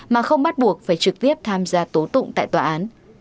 mà không bắt buộc phải trực tiếp tham gia tố tụng tại tòa án